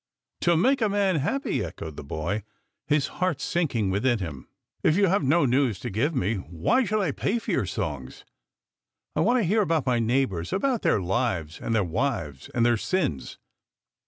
"To make a man happy?" echoed the boy, his heart sinking within him. "If you have no news to give me, why should I pay for your songs ? I want to hear about my neighbours, about their lives, and their wives and their sins.